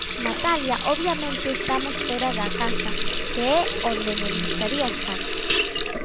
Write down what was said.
Natalia Obviamente estamos fóra da casa que é onde nos gustaría estar.